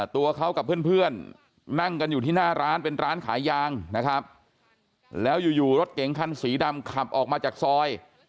ตัวเขากับเพื่อนนั่งกันอยู่ที่หน้าร้านเป็นร้านขายยางนะครับแล้วอยู่รถเก๋งคันสีดำขับออกมาจากซอย